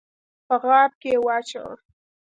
په غاب کي یې واچوه !